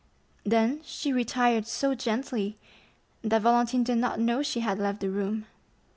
Then she retired so gently that Valentine did not know she had left the room.